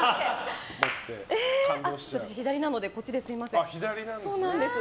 左なので、こっちですみません。